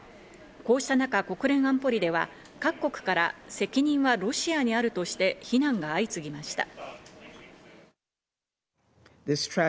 こうした中、国連安保理では各国から責任はロシアにあるとして、非難が相次ぎました。